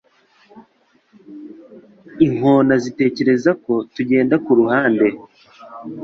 Inkona zitekereza ko tugenda kuruhande?